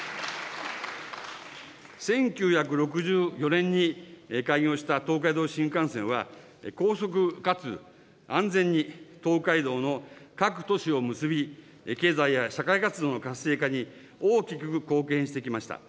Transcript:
１９６４年に開業した東海道新幹線は、高速かつ安全に、東海道の各都市を結び、経済や社会活動の活性化に大きく貢献してきました。